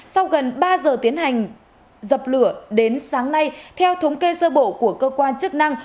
sau gần ba giờ tiến hành dập lửa đến sáng nay theo thống kê sơ bộ của cơ quan chức năng